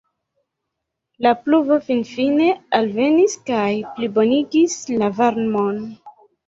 La pluvo finfine alvenis, kaj plibonigis la varmon.